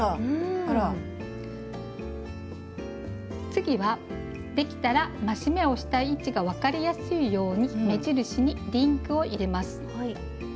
次はできたら増し目をした位置が分かりやすいように目印にリングを入れます。